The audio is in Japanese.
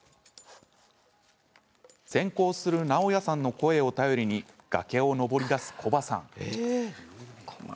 先行するナオヤさんの声を頼りに崖を登りだすコバさん。